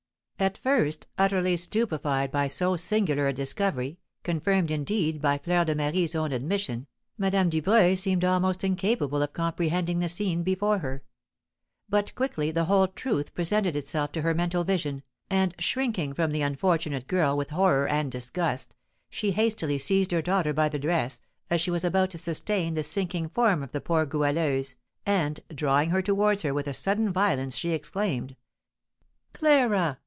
At first, utterly stupefied by so singular a discovery, confirmed, indeed, by Fleur de Marie's own admission, Madame Dubreuil seemed almost incapable of comprehending the scene before her; but quickly the whole truth presented itself to her mental vision, and shrinking from the unfortunate girl with horror and disgust, she hastily seized her daughter by the dress, as she was about to sustain the sinking form of the poor Goualeuse, and, drawing her towards her with sudden violence, she exclaimed: "Clara!